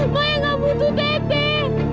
maya nggak butuh teh teh